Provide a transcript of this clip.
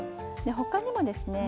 他にもですね